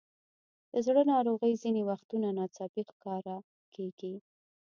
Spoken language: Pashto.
د زړه ناروغۍ ځینې وختونه ناڅاپي ښکاره کېږي.